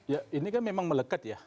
ya ini kan memang melekat ya